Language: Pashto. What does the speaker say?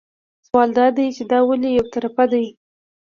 سوال دا دی چې دا ولې یو طرفه دي.